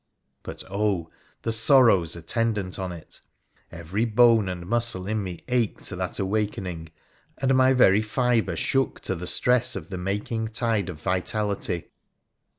But oh ! the sorrows attendant on it ! Every bone and muscle in me ached to that awakening, and my very fibre shook to the stress of the making tide of vitality.